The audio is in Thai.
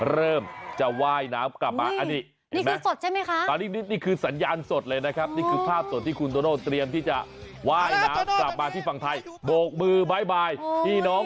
เริ่มจะไหว้น้ำกลับมานี่